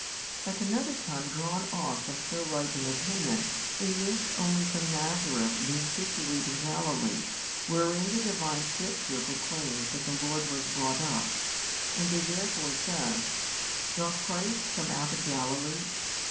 at another time drawn off from so right an opinion, they missed only from Nazareth being situate in Galilee wherein the Divine Scripture proclaims that the Lord was brought up, and they therefore said, Doth Christ come out of Galilee?